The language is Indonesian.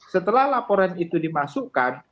setelah laporan itu dimasukkan